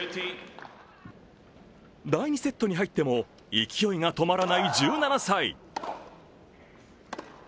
第２セットに入っても勢いが止まらない１７歳。